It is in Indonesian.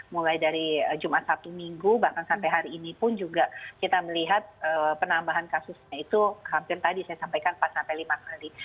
mulai dari jumat sabtu minggu bahkan sampai hari ini pun juga kita melihat penambahan kasusnya itu hampir tadi saya sampaikan empat sampai lima kali